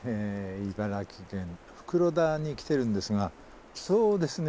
茨城県袋田に来てるんですがそうですね